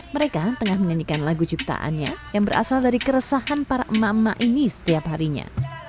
mereka tengah menyanyikan lagu ciptaannya yang berasal dari keresahan para emak emak ini setiap harinya